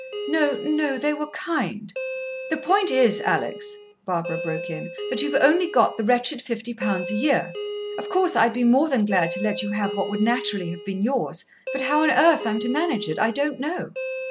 "No no. They were kind " "The point is, Alex," Barbara broke in, "that you've only got the wretched fifty pounds a year. Of course, I'd be more than glad to let you have what would naturally have been yours but how on earth I'm to manage it, I don't know.